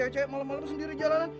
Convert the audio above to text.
coy malem malem sendiri jalanan